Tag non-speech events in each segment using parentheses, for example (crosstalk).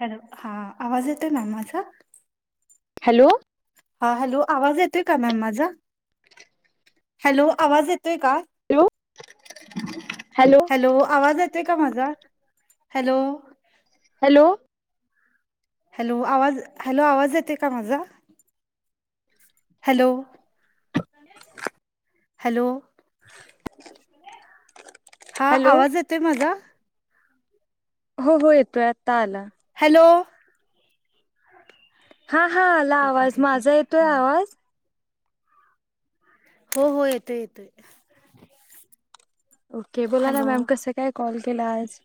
Hello हा आवाज येतोय ना माझा? हॅलो हा हॅलो आवाज येतोय का मॅम माझा? हॅलो आवाज येतोय का? हॅलो हॅलो आवाज येतोय का माझा? हॅलो हॅलो हॅलो आवाज, हॅलो आवाज येते का माझा? हॅलो हॅलो हा हॅलो आवाज येतोय माझा? हो हो येतोये. हॅलो हां हां आला ठीक आहे आवाज, ठीक माझा आहे येतोय हा. आवाज? हो हो येतोय येतोय. ओके बोला ना हॅलो मॅम कसं काय कॉल केला आज?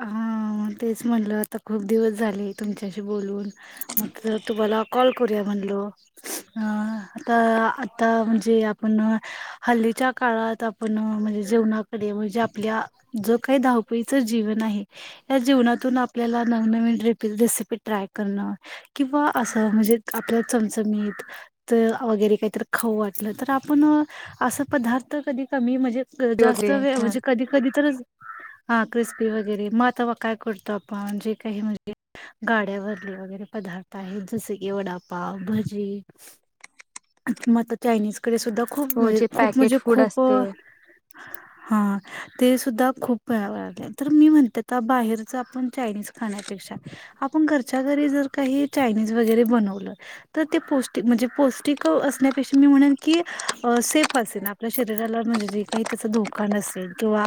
हां तेच म्हणलं आता खूप दिवस झाले तुमच्याशी बोलून, म्हटलं तुम्हाला कॉल करूया म्हणलो आता आता म्हणजे आपण हल्ली ताच्या काळात आपण म्हणजे जीवणाकडे म्हणजे आपल्या जो काही धावपळीच जीवन आहे या जीवनातून आपल्या नवनवीन रिफिल रेसिपी ट्राय करणं किंवा अस म्हणजे आपल्यला चमचमीत वगैरे काहीतरी खाऊ वाटलं तर आपण अस तो पदार्थ कधी कमी म्हणजे जास्त वगैरे वेळ हा म्हणजे कधी कधी तरच हां ख्रिस स्पी वगैरे म तवा काय करतो आपण जे काही म्हणजे गाड्यावरले वगैरे पदार्थ आहेत जस की वडापाव, भजी मग आता चायनीजकडे सुद्धा खूप खूप हो जे म्हणजे खूप पॅकेट म्हणजे फूड खूप असतं हां ते सुद्धा खूप वेळा वाढलय तर मी म्हणते आता बाहेरच आपण चायनीज खाण्यापेक्षा आपण घरच्या घरी जर काही चायनीज वगैरे बनवलं तर ते पौष्टिक म्हणजे पौष्टिक- असण्यापेक्षा मी म्हणेन की सेफ असेन. आपल्या शरीराला म्हणजे जे काही त्याचा धोका नसेेल. किंवा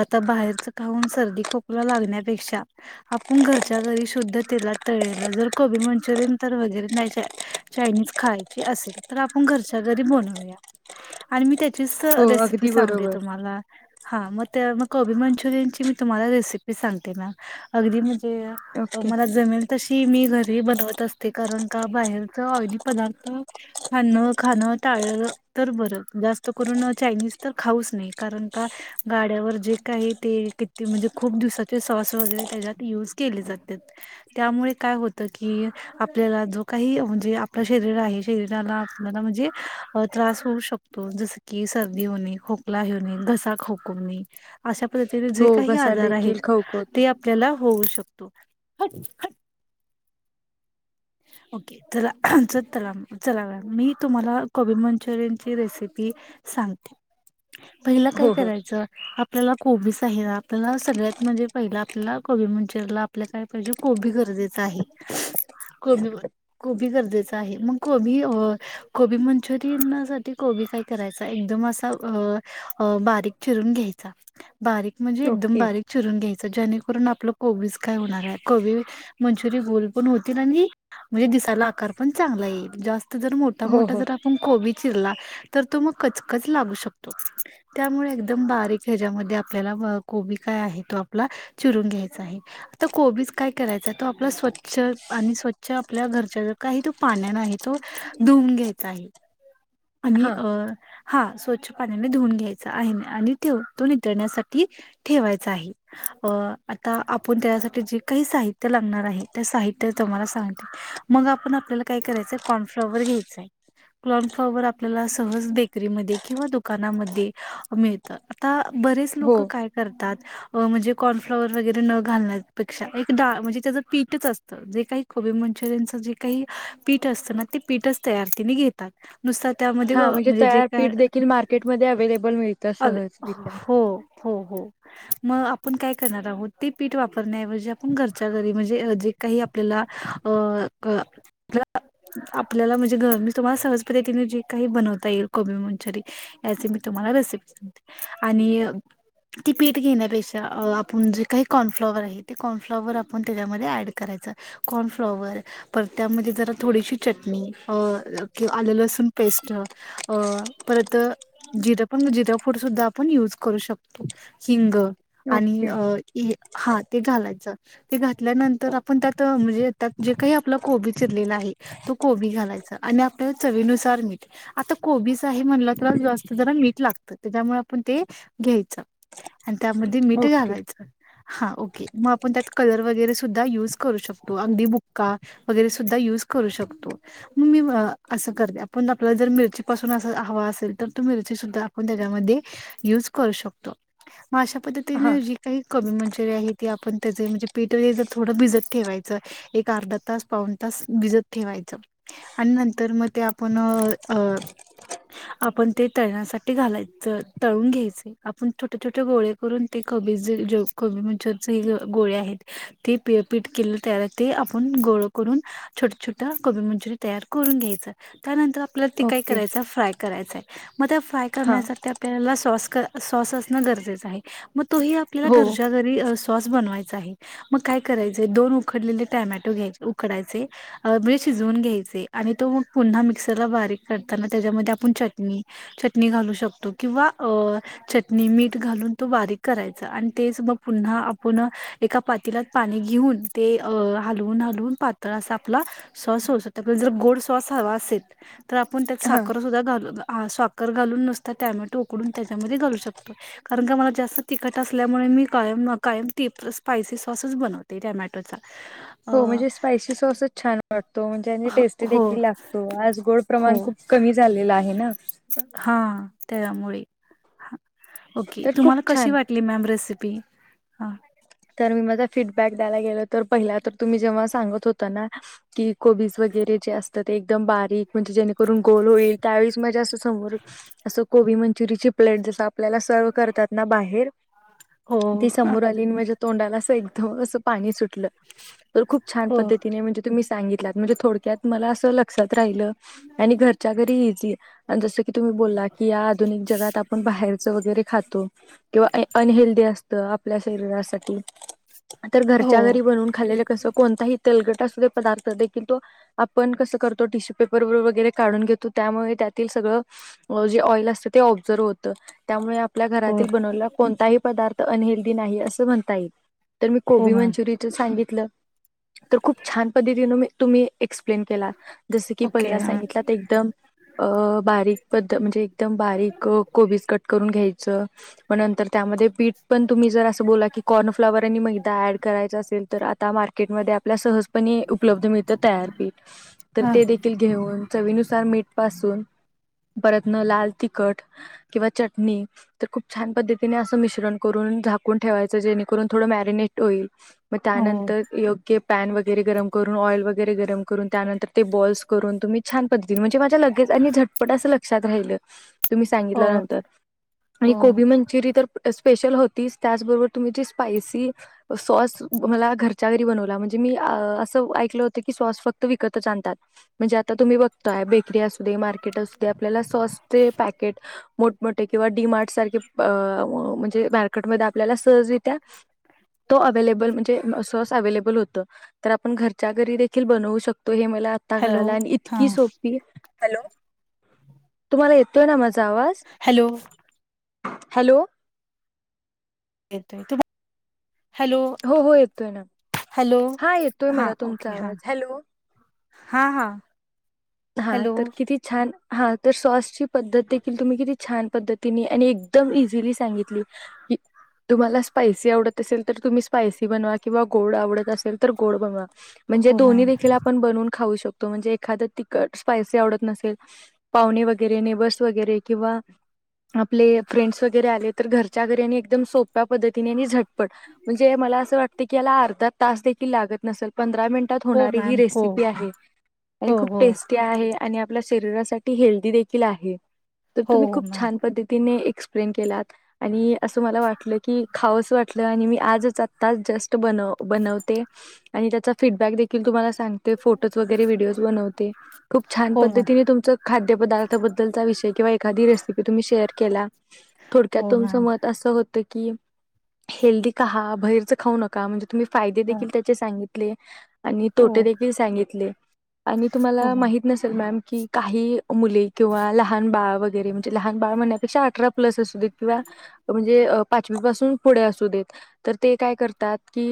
आता बाहेरच खाऊन सर्दी खोकला लागण्यापेक्षा आपण घरच्या घर री शुद्ध तेलात तळलेलं जर कोबी मंचुरियन तर वगैरे नाही चायनीज खाय चे असेल तर आपण घरच्या घरी बनवूया आणि मी ते चीच हो रेसिपी अगदी सांगते बरोबर तुम्हाला. हां मग त्या मग कोबी मंचुरियनची मी तुम्हाला रेसिपी सांगते मॅम अगदी म्हण जे ओके मला जमेल तशी मी घर री बनवत असते कारण का बाहेरच ऑईली पदार्थ- खाण खाणं टाळलं तर बर जास्त करून चायनीज तर खाऊच नये करण्या का गाड्यावर जे काही तेल कि म्हणजे खूप दिवसाचे सॉस वगरे त्याच्यात युज केले जा तात त्यामुळे काय होतं की आपल्याला जो काही म्हणजे आपलं शरीर आहे- शरीराला आपल्याला म्हणजे त्रास होऊ शकतो जसं की सर्दी होणे, खोकला होणे- घसा खवखवणे अशा पद्धतीने जे हो काही घसा आजार देखील आहेत खवखवतो ते आपल्याला होऊ शक तो ओके चला. चला मॅडम मी तुम्हाला कोबी मंचुरियन ची रेसिपी सांगते. पहिला काय हो हो करायचं आपल्याला- कोबीच आहे ना आपल्याला सगळ्यात म्हणजे पहिलं आपल्याला कोबी मंचुरीला आपल्या काय पाहिजे कोबी गरजे च आहे कोबी गरजेचं आहे मग कोबी हो कोबी मंचुरियन साठी कोबी काय करायचा एकदम असा अ- अ बारीक चिरून घ्यायचा बारीक म्हणजे एकदम ओके बारीक चिरून घ्याय चा जेणेकरून आपलं कोबीज काय होणार आहे कोबी मंचूरी गोल पण होतील आणि म्हणजे दि दिसायला आकार पण चांगला येईल जास्त जर मोठा हो मोठा हो जर आपण कोबी चिरला तर तो मग कचकच लागू शकतो त्यामुळे एकदम बारीक ह्याच्यामधे आपल्याला कोबी काय आहे तो आपला चिरून घ्यायचा आहे तो कोबीज काय करायचा तो आपला स्वचछ च्छ आणि स्वच्छ आपल्या घरच्या ज्या काही तो पाण्याने आहेत- तो धुऊून घ्यायचा आहे आणि हां अ हां स्वच्छ पाण्याने धुऊून घ्यायचा आहे आणि तेव तो नितळण्यासाठी ठेवायचा आहे. अ आता आपण त्याच्यासाठी जे काही साहित्य लागणार आहे त्या साहित्य तम्हाला सांगते. मग आपण आपल्याला काय करायचंय कॉर्नफ्लॉवर घ्यायचाय कॉर्नफ् फ्लॉवर आपल्याला सहज बेकरीमध्ये किंवा दुकानामध्ये मिळतं. आता- बरेच हो लोकं काय करतात? म्हणजे कॉर्नफ्लाॉवर वगैरे न घालण्यापेक्षा एक डाळ म्हणजे त्याचं पीठच असतं जे काही को बीमंचुरियनच जे काही पीठ असतं ना ते पीठच तयार त्यांनी घेतात. नुसता त्यामध्ये हा म्हणजे जे तयार काय पीठ देखील मार्केटमध्ये अवेलेबल मिळतं सहजरित्या हो हो हो मग आपण काय- आोत ते पीठ वापरण्याऐवजी आपण घरच्या घरी म्हणजे जे काही आपल्याला- आपल्याला म्हणजे घ मी तुम्हाला स- पद्धतीने जे काही बनवता येईल कोबी मंचुरियन याचे मी तुम्हाला रेसिपी सांगते आणि- ती पीठ घेण्यापेक्षा आपण जे काही कॉर्नफ्लॉवर आहे ते कॉर्नफ्लॉवर आपण त्याच्यामध्ये ऍड करायच- कॉर्नफ्लोअर परत त्यामध्ये जरा थोडीशी चटणी - लसूण पेस्ट परत जिरा पण जिरा फूड सुद्धा आपण युज करू शकतो. हिंग आणि ओके अ हा ते घालायचं. ते घातल्यानंतर आपण त्यात म्हणजे त्यात जे काही आपला कोबी चिरलेला आहे तो कोबी घालायचा- आणि आपल्या चवीनुसार मीठ आता कोबीच आहे म्हणलं तर जास्त जरा मीठ- लागत त्याच्यामुळे आपण ते घ्यायच. आणि त्यामध्ये मीठ ओके घालायचं हा ओके मग आपण त्यात कलर वगैरे- यूज करू शकतो अगदी बुक्का वगैरे सुधा य करू शकतो मग मी- असं करते आपण आपल्याला जर मिरची पाासून अस हवा असेल तर तो मिरची सुद्धा आपण त्याच्यामध्ये युज- (unintelligible) करू शकतो मग अशा हां पद्धतीने जी काय कोबी मंचुरी जे काही आहे ते आपण भिजत ठेवायचं अर्धा तास पाऊण तास भिजत ठेवायच आणि नंतर मग ते आपण अ आपण ते तळण्यासाठी घालायचं तळून घ्यायचे आपण छोटे छोटे गोळे करून ते, कोबीचे ज कोबीमचे गोळे्या आहेत ते पि पीठ केलं त्याला ते आपण गोळ करून छोट छोट्या गोबी मंचुरीन तयार करून घ्यायचं त्यानंतर, आपल्याला ते काय ओके करायचं फ्राय करायचंय मग त्या फ्राय हां करण्यासाठी आपल्याला सॉस क सॉस असणं गरजेचं आहे, मग तोही आपल्याला हो घरच्या घरी सॉस बनवायचा आहे मग काय दोन उकडलेले टोमॅटो घ्यायचे उकडायचे भिजवून घ्यायचे आणि तो मग पुन्हा मिक्सरला बारीक करताना त्याच्यामध्ये आपण चटणी चटणी घालू शकतो किंवा अ चटणी मीठ घालून तो बारीक करायचा आणि तेच मग पुन्हा आपण एका, पातीलात पाणी घेऊन ते हलवून हलवून पातळ असा आपला सॉस होत आप जर गोड स्वास हवा असेल तर आपण त्यात हां साखरसुद्धा घालू स्वाखर घालून नसता टॅमॅटो उकडून त्याच्यामध्ये घालू शकतो कारण का मला जास्त तिखट असल्यामुळे. मी कायम न कायम ती स्पायसी सॉसच बनवते टॅमॅटोचा हो अ म्हणजे स्पायसी सॉसच छान वाटतो म्हणजे टेस्टी हो देखील लागतो. आज गोड हो प्रमाण खूप कमी झालेलं आहे ना, हा त्यामुळे, ओके तर खूप तुम्हाला कशी छान वाटली मॅम रेसिपी ह, तर मी माझा फीडबॅक द्यायला गेलो तर पहिला तर तुम्ही जेव्हा सांगत होता ना की कोबीज वगैरे म्हणजे ते असत बारीक म्हणजे जेणेकरून गोल होईल म्हणजे त्यावेळेस अस कोबी मंचुरी ची प्लेट जशी सर्व करतात ना बाहेर हो ती हां, समोर आली म्हणज्या तोंडाला असं एकदम असं पाणी सुट तर खूप छान हो पद्धतीने म्हणे तुम्ही सांग म्हणजे थोड्यात मला अस लक्षात घरच्या घरी इझी आहे आणि जस की तुम्ही बोला की आधुनिक जगात आपण बाहेर बाहेर चा, वगैरे खातो किंवा अनहेल्दी असतं आपल्या शरीरासाठी तर हो घरच्या घरी बनवून खाल्लेलं कस कोणताही, तेलगटा पदार्थ दे तो आपण कस करतो टिश्यूपेपर व वगैरे काढून घेतो त्यामुळे ते तेल सगळं ते अवजोव होतं, आपल्या हो घरातील बनवलेला कोणताही पदार्थ अनहेल्दी नाही असं म्हणता येईल! तर मी हो कोबी मॅम मंचुरियनच सांगितलं तर खूप छान पद्धतीनी तुम्ही एक्सप्लेन केला जस की ओके पहिला हां सांगितला तर एकदम अ बारीक पद्ध म्हणजे एकदम बारीक कोबीज कट करून घ्यायचं मग नंतर त्यामध्ये पीठ पण तुम्ही जर असं बोला की कॉर्नफ्लाॉवर आणि मैदा ॲड करायचा असेल तर आता मार्केटमध्ये आप आपला सहजपणे उपलब्ध मिळत तयारपीठ तर हां ते देखील घेऊन चवीनुसार मीठ पासून परतन लाल तिखट किंवा चटणी तर खूप छान पद्धतीने अस मिश्रण करून झाकून ठेवायचं जेणेकरून थोडं मॅरीनेट मग हो त्यानंतर योग्य पॅन वगैरे गरम करून ऑइल वगैरे गरम करून त्यानंतर ते बॉल्स करून तुम्ही छान पद्ध म्हणजे माझ्या लगेच आणि झटपट अस लक्षात राहिलं. तुम्ही हो सांगितल्यानंतर आणि हो कोबी मंचुरी तर स्पेशल होतीच त्याचबरोबर तुम्ही जे पायसी सॉस मला घरच्या घरी बनवला म्हणजे म अस ऐ होत क सॉस फक्त विकतच आणता म्हणजे तुम्ही आता बघत्या बेकरी असू दे मार्केट असू दे आपल्याला सॉसचे पॅकेट मोठमठे, किंवा डी मार्ट म्हणजे मार्केट मध्ये आपल्या सहजरित्या, तो अवलेबल म्हणजे सॉस अवलेबल होत तर आपण घरच्या घरी देखील बनवू शकतो तो हे मला आता हॅलो कळाला आणि हां इतकी सोपी, हॅलो तुम्हाला येतोय ना माझा आवाज हॅलो हॅलो (unintelligible) हॅलो हो हो येतोय ना हॅलो हा येतोय हा मला ओके तुमचा हा आवाज. हॅलो. हा हा हा तर किती छान हा तर सॉसची पद्धत देखील तुम्ही किती छान पद्धतीने आणि एकदम इझिली सांगितली की तुम्हाला स्पायसी आवडत असेल तर तुम्ही स्पायसी बनवा किंवा गोड आवडत असेल तर गोड बनवा म्हणजे हो दोन्ही मॅम देखील आपण बनून खाऊ शकतो म्हणजे एखाद स्पायसी आवडत नसेल पावणे वगैरे नेबस वगैरे किंवा आपले फ्रेंडस वगैरे आले तर घरच्या घरी आणि एकदम सोप्या पद्धतीने झटपट म्हणजे मला अस वाटतय की याला अर्धा तास देखील लागत नसलं पंध पंधरा मिनटात हो होणारी ही मॅम हो रेसपी आहे आणि हो खप हो टेस्टी आहे आणि आपल्या शरीरासाठी हेल्दी देखील आहे तर हो तुम्ही हो खूप मॅम छान पद्धतीने एकस - प्लेन केलात आणि असं मला वाटलं की खावंच वाटलं आणि मी आजच आता जस्ट - तु बनव बनवते आणि त्याचा फीडबॅक देखील तुम्हाला सांगते फोटोज वगैरे व्हिडिओ बनवते खूप छान हो मॅम पद्तीने तुम खाद्य पदार्थ बद्दलचा विषय किंवा एखादा - -खादी रेसेपी तुम्ही शेअर केला थोडक्यात हो तुमच मॅम मत अस होत की हेल्दी खावा बाहेरच खाऊ नका म्हणजे तुम्ही फायदे हो देखील त्याचे सांगितले आणि हो तोटे देखील सांगितले आणि हो तुम्हाला मॅम माहित नसेल मॅम की काही मुली किंवा लहान बाळ अ पाचवीपसून पुढे असू देत तर ते काय करतात की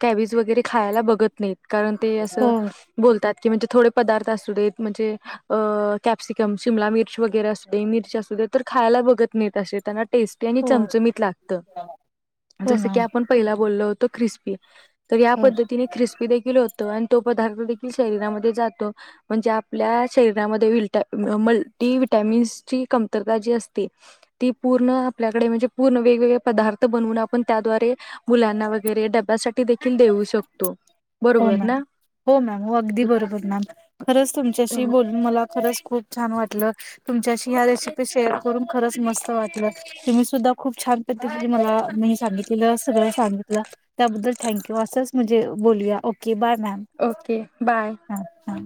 कॅविज वगैरे खायला बघत नाहीत कारण ते हो असं बोलतात की म्हणजे थोड पदार्थ असुदे म्हणजे अ कॅप्सिकम शिमला मिर्च वगैरे असु दे मिर्च असु दे खायला बघत नाही अशे त्यांना टेस्टी आणि हो चमचमीत लागत हो जस की मॅम आपण पहिला बोललो होतो क्रिस्पी तर या हो पद्धतीने ख्रिस्पी देखील होतं आणि तो पदार्थ देखील शरीरामध्ये जात म्हणजे आपल्या शरीरामध्ये विट मल्टी वि्हटॅमिन् ची कमतरता जी असते ती पुर्ण अपल्याकडे म्हणजे पुर्ण वेगवेगळे पदार्थ बनवुन आपण त्यात (unintelligible) मुलांना वगैरे डब्यासाठी देखील देऊ शकतो हो बरोबर ना खरच तुमच्याशी बोलून मला खरच खूप छान वाटलं तुमच्याशी ह्या रेसिपी शेअर करून खरंच मस्त वाटलं तुम्ही सुद्धा खूप छान पद्धितीने मला सांगितलं सगळं सांगितलं थँक असंच म्हणजे बोलूया okay bye ma'am okay bye ह